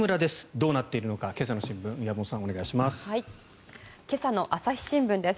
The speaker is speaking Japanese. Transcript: どうなっているのか今朝の新聞山本さん、お願いします。